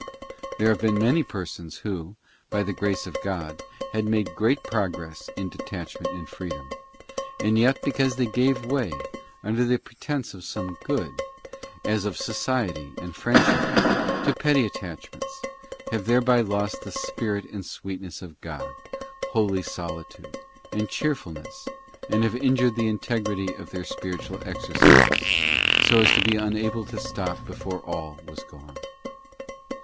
There have been many persons who, by the grace of God, had made great progress in detachment and freedom, and yet because they gave way, under the pretence of some good— as of society and friendship —to petty attachments, have thereby lost the spirit and sweetness of God, holy solitude, and cheerfulness, and have injured the integrity of their spi ritual exercises, so as to be unable to stop before all was gone.